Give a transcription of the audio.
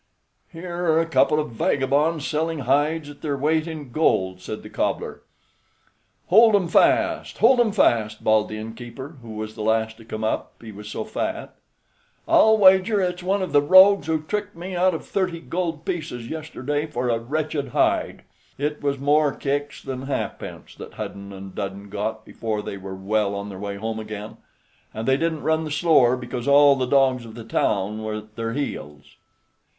"Here are a couple of vagabonds selling hides at their weight in gold," said the cobbler. "Hold 'em fast; hold 'em fast!" bawled the innkeeper, who was the last to come up, he was so fat. "I'll wager it's one of the rogues who tricked me out of thirty gold pieces yesterday for a wretched hide." It was more kicks than halfpence that Hudden and Dudden got before they were well on their way home again, and they didn't run the slower because all the dogs of the town were at their heels.